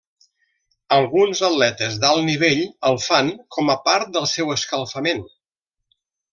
Alguns atletes d'alt nivell el fan com a part del seu escalfament.